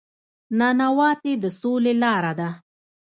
نانواتې د سولې لاره ده